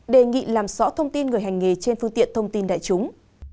đề nghị làm rõ thông tin người hành nghề trên phương tiện thông tin đại chúng